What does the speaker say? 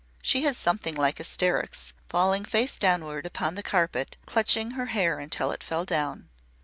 She had something like hysterics, falling face downward upon the carpet and clutching her hair until it fell down.